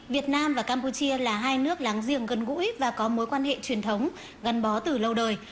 việt nam và campuchia là hai nước láng giềng gần gũi và có mối quan hệ truyền thống gắn bó từ lâu đời